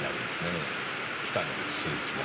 北之口秀一が。